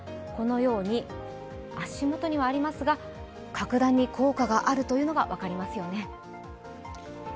このように、足元にはありますが格段に効果があるというのが分かりますよね。